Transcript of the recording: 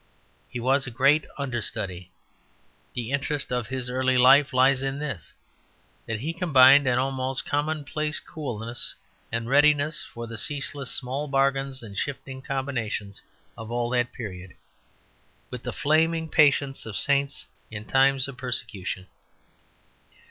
He was a great understudy. The interest of his early life lies in this: that he combined an almost commonplace coolness, and readiness for the ceaseless small bargains and shifting combinations of all that period, with the flaming patience of saints in times of persecution.